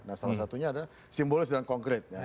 nah salah satunya adalah simbolis dan konkret